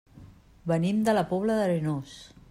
Venim de la Pobla d'Arenós.